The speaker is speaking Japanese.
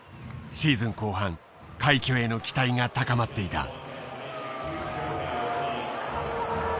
シーズン後半快挙への期待が高まっていた。